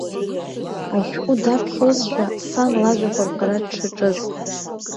Ашәҟәы даԥхьозшәа сан лажәақәа рҳәара дшаҿыз.